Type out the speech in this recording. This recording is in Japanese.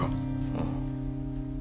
うん。